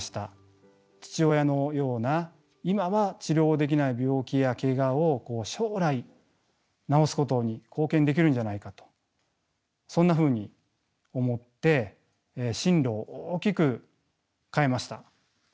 父親のような今は治療できない病気やけがを将来治すことに貢献できるんじゃないかとそんなふうに思って進路を大きく変えました。